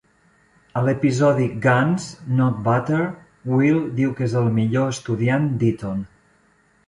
A l'episodi "Guns Not Butter", Will diu que és el millor estudiant d'Eton.